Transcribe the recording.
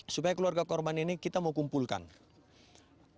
supaya keluarga korban ini kita mau kumpulkan kembali ke bangkai kapal motor sinar bangun